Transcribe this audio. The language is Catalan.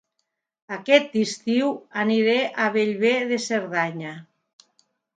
Aquest estiu aniré a Bellver de Cerdanya